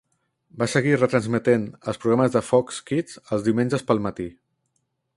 Va seguir retransmetent els programes de Fox Kids els diumenges pel matí.